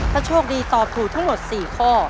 ถ้าโชคดีตอบถูกทั้งหมด๔ข้อ